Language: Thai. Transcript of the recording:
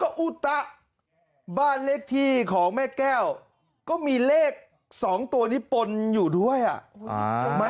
อุตะบ้านเลขที่ของแม่แก้วก็มีเลข๒ตัวนี้ปนอยู่ด้วยอ่ะ